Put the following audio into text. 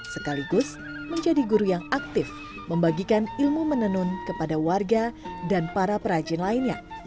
sekaligus menjadi guru yang aktif membagikan ilmu menenun kepada warga dan para perajin lainnya